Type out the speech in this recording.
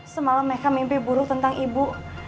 semalam meka mimpi buruk tentang ibu